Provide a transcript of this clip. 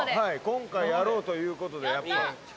今回やろうということで。